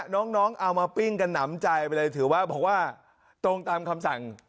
น้องเอามาปิ้งกันหนำใจไปเลยถือว่าบอกว่าตรงตามคำสั่ง